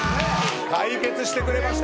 解決してくれました。